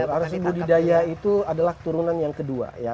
betul harusnya budidaya itu adalah turunan yang kedua